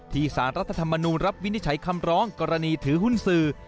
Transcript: สารรัฐธรรมนูลรับวินิจฉัยคำร้องกรณีถือหุ้นสื่อ